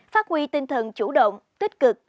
phát huy tinh thần chủ động tích cực